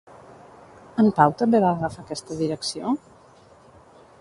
En Pau també va agafar aquesta direcció?